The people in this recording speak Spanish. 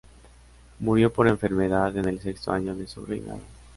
Murió por enfermedad en el sexto año de su reinado.